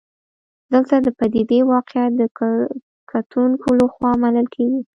دلته د پدیدې واقعیت د کتونکو لخوا منل کېږي.